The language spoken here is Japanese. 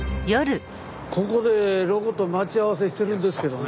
ここでロコと待ち合わせしてるんですけどね。